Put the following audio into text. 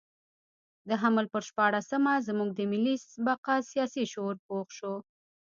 د حمل پر شپاړلسمه زموږ د ملي بقا سیاسي شعور پوخ شو.